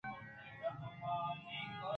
تو اللہ ءِ میارئے